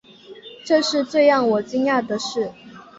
这是最让我惊讶的事